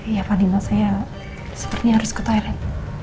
ya panino saya sepertinya harus ke thailand